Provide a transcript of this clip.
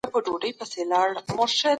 د بدعتونو پر وړاندې بايد مبارزه وسي.